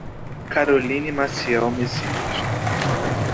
Caroline Maciel Messias